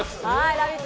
「ラヴィット！」